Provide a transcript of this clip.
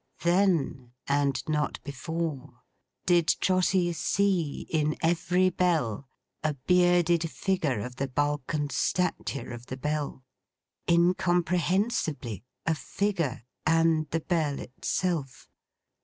Then and not before, did Trotty see in every Bell a bearded figure of the bulk and stature of the Bell—incomprehensibly, a figure and the Bell itself.